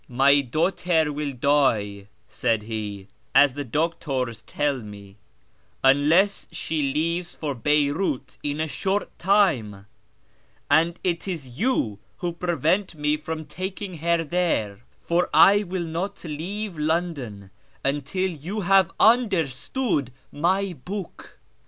" My daughter will die," said he, " as the doctors tell me, unless she leaves for Beyrout in a short time, and it is you who prevent me from taking her there ; for I will not leave London until you have understood my book."